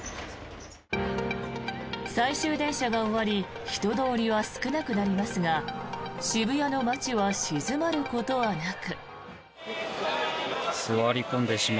最終電車が終わり人通りは少なくなりますが渋谷の街は静まることはなく。